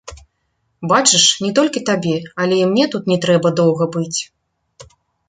Бачыш, не толькі табе, але і мне тут не трэба доўга быць.